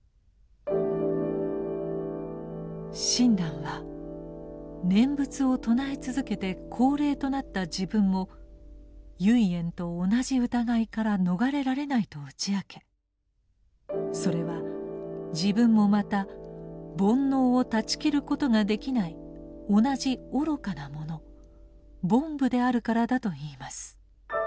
親鸞は念仏を称え続けて高齢となった自分も唯円と同じ疑いから逃れられないと打ち明けそれは自分もまた煩悩を断ち切ることができない同じ愚かな者「凡夫」であるからだと言います。